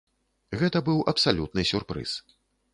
Гэта быў абсалютны сюрпрыз.